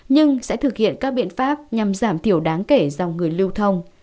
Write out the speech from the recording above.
nhưng sẽ thực hiện các biện pháp nhằm giảm thiểu đáng kể dòng người lưu thông